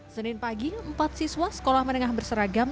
senin pagi empat siswa sekolah menengah berseragam